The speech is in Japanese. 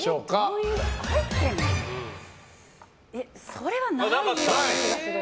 それはないような気がする。